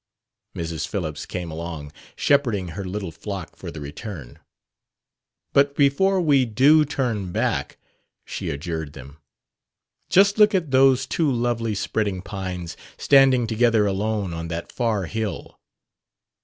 Mrs. Phillips came along, shepherding her little flock for the return. "But before we do turn back," she adjured them, "just look at those two lovely spreading pines standing together alone on that far hill."